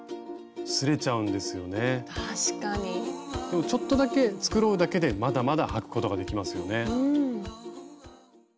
でもちょっとだけ繕うだけでまだまだ履くことができますよね。